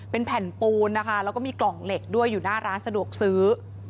เป็นแผ่นปูนนะคะแล้วก็มีกล่องเหล็กด้วยอยู่หน้าร้านสะดวกซื้อ